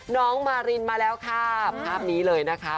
น้องมารินมาแล้วค่ะภาพนี้เลยนะคะ